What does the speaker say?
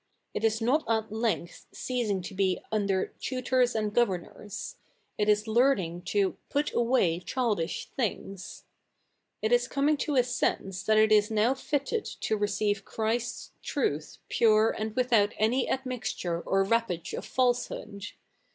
It is 7W7V at le7igth ceasi7ig to be U7ider " tutors and governors :"// CH. i] THE NEW REPUBLIC 83 is learning to '''' put away childish things,^' It is coming to a sense that it is noiu fitted to receive Chrisfs truth pure ^ and without any ad?nixture or wrappage of falsehood.